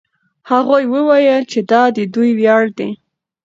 هغوی وویل چې دا د دوی ویاړ دی.